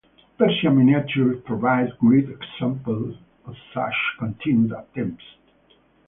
Persian miniatures provide great examples of such continued attempts.